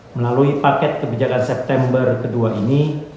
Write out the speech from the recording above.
melalui paket kebijakan september ke dua ini